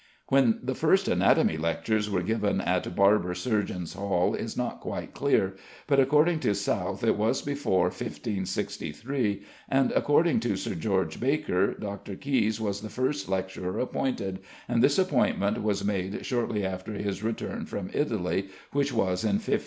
When the first anatomy lectures were given at Barber Surgeons' Hall is not quite clear; but according to South it was before 1563, and according to Sir George Baker, Dr. Caius was the first lecturer appointed, and this appointment was made shortly after his return from Italy, which was in 1547.